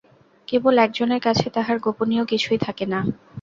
কেবল একজনের কাছে তাহার গোপনীয় কিছুই থাকে না।